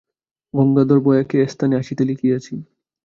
গঙ্গাধর ভায়াকে এস্থানে আসিতে লিখিয়াছি।